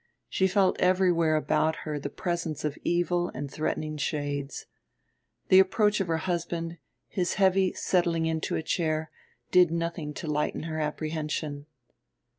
She felt everywhere about her the presence of evil and threatening shades. The approach of her husband, his heavy settling into a chair, did nothing to lighten her apprehension.